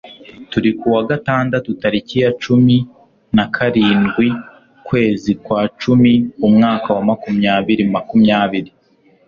turi ku wa gatandatu tariki ya cumi nakarindwiukwezi kwa cumi umwaka wa makumyabiri makumyabiri